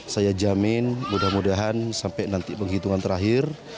saya jamin mudah mudahan sampai nanti penghitungan terakhir